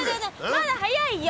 まだ早いよ。